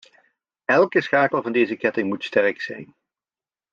Elke schakel van deze ketting moet sterk zijn.